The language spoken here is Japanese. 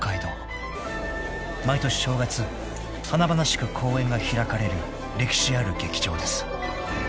［毎年正月華々しく公演が開かれる歴史ある劇場です］